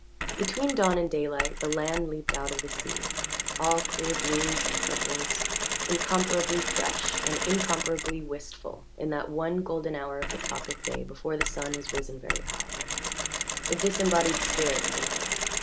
Between dawn and daylight the land leaped out of the sea, all clear blues and purples, incomparably fresh and incomparably 111 wistful in that one golden hour of the tropic day before the sun has risen very high the disembodied spirit of an island.